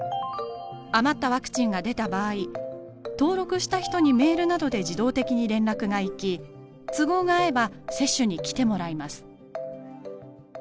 余ったワクチンが出た場合登録した人にメールなどで自動的に連絡が行き都合が合えば接種に来てもらいます。